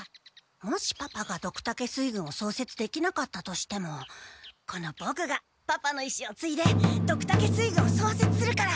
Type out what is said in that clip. もしパパがドクタケ水軍をそうせつできなかったとしてもこのボクがパパのいしをついでドクタケ水軍をそうせつするから！